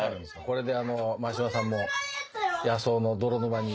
これで眞島さんも野草の泥沼に。